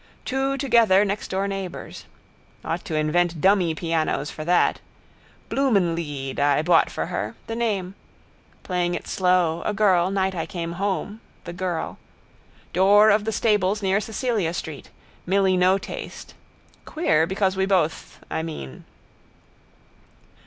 Two together nextdoor neighbours. Ought to invent dummy pianos for that. Blumenlied I bought for her. The name. Playing it slow, a girl, night I came home, the girl. Door of the stables near Cecilia street. Milly no taste. Queer because we both, I mean.